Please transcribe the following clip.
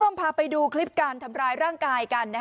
พาไปดูคลิปการทำร้ายร่างกายกัน